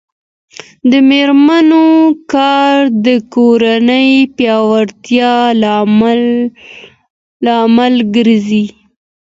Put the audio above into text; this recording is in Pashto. د میرمنو کار د کورنۍ پیاوړتیا لامل ګرځي.